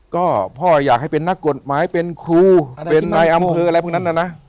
ก็พ่ออยากให้เป็นนักกฎหมายเป็นครูเป็นนายอำเภออะไรพวกนั้นนะ